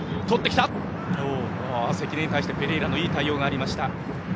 関根に対して、ペレイラのいい対応がありました。